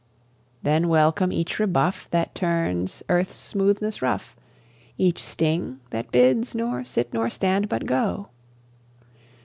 Then, welcome each rebuff That turns earth's smoothness rough, Each sting, that bids nor sit nor stand, but go!